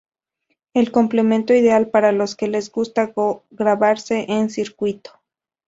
El complemento ideal para los que les gusta grabarse en circuito.